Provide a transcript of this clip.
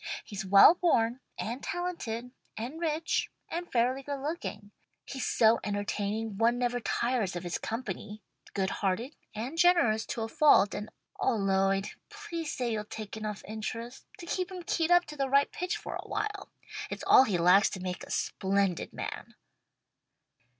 He's well born and talented and rich and fairly good looking. He's so entertaining one never tires of his company, good hearted and generous to a fault, and Oh Lloyd, please say you'll take enough interest to keep him keyed up to the right pitch for awhile. It's all he lacks to make a splendid man."